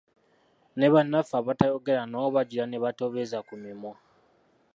Ne bannaffe abatayogera nabo bagira ne batoobeza ku mimwa.